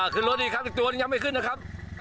ขึ้นรถอีกครับอีกตัวหนึ่งยังไม่ขึ้นนะครับ